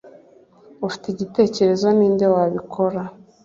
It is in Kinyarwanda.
ufite igitekerezo ninde wabikora